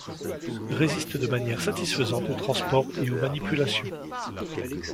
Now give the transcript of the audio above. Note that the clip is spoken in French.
Résiste de manière satisfaisante au transport et aux manipulations.